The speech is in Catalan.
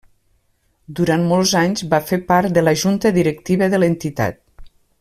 Durant molts d’anys va fer part de la Junta directiva de l’entitat.